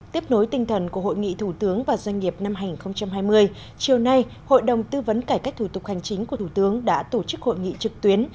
tiếp nối tinh thần của hội nghị thủ tướng và doanh nghiệp năm hai nghìn hai mươi chiều nay hội đồng tư vấn cải cách thủ tục hành chính của thủ tướng đã tổ chức hội nghị trực tuyến